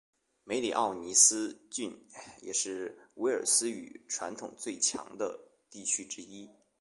梅里奥尼斯郡也是威尔斯语传统最强的地区之一。